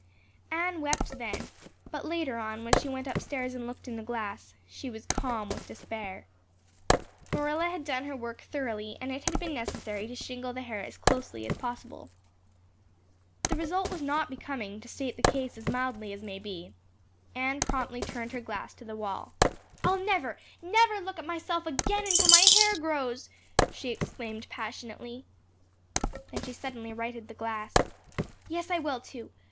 Anne wept then, but later on, when she went upstairs and looked in the glass, she was calm with despair. Marilla had done her work thoroughly and it had been necessary to shingle the hair as closely as possible. The result was not becoming, to state the case as mildly as may be. Anne promptly turned her glass to the wall. "I'll never, never look at myself again until my hair grows," she exclaimed passionately. Then she suddenly righted the glass. "Yes, I will, too.